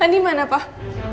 andi mana pak